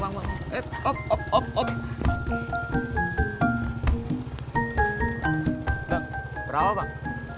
bang berapa bang